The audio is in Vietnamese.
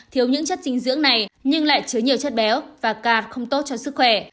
thiếu những chất dinh dưỡng này nhưng lại chứa nhiều chất béo và kạt không tốt cho sức khỏe